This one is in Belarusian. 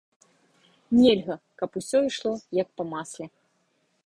Нельга, каб усё ішло як па масле.